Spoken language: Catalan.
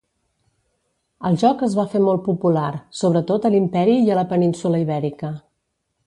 El joc es va fer molt popular, sobretot a l'Imperi i a la península Ibèrica.